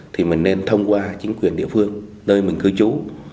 thì mình nên thông qua chính quyền địa phương nơi mình cư trú